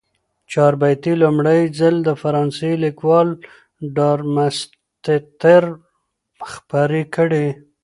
چاربیتې لومړی ځل فرانسوي لیکوال ډارمستتر خپرې کړې.